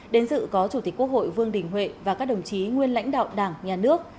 đến dự có chủ tịch quốc hội vương đình huệ và các đồng chí nguyên lãnh đạo đảng nhà nước